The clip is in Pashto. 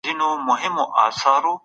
د پخوانیو نېټو په اړه پلټنه وکړئ.